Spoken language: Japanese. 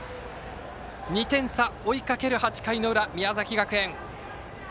２点差、追いかける８回の裏宮崎学園。